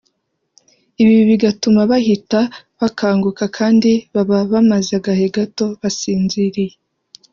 ibi bigatuma bahita bakanguka kandi baba bamaze agahe gato basinziriye